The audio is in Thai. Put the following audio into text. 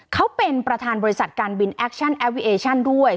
เขาเป็นประธานบริษัทการบินแอคชั่นแอปพลิเอชันด้วย